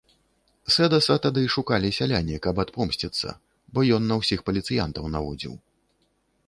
Сэдаса тады шукалі сяляне, каб адпомсціцца, бо ён на ўсіх паліцыянтаў наводзіў.